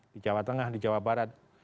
di jawa tengah di jawa barat